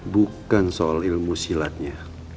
bukan soal ilmu silatnya